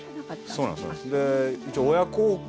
そうなんです。